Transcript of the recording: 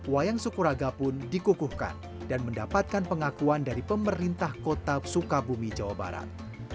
wayang sukuraga pun dikukuhkan dan mendapatkan pengakuan dari pemerintah kota sukabumi jawa barat